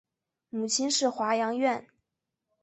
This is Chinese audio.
母亲是华阳院。